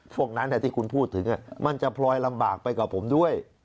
พวกนั้นที่คุณพูดถึงมันจะพลอยลำบากไปกับผมด้วย